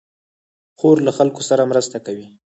خور له خلکو سره مرسته کوي.